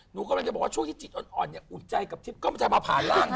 หนูกำลังจะบอกว่าช่วงที่จิตอ่อนเนี่ยอุดใจกับทิพย์ก็มันจะมาผ่านร่าง